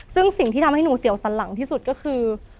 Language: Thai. ซึ่งสิ่งที่ทำให้หนูเสียวสันหลังที่สุดก็คือ